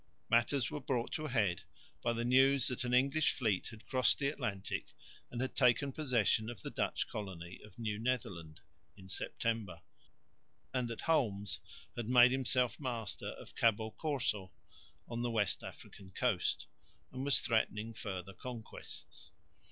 Matters were brought to a head by the news that an English fleet had crossed the Atlantic and had taken possession of the Dutch colony of New Netherland (September), and that Holmes had made himself master of Cabo Corso on the West African coast, and was threatening further conquests.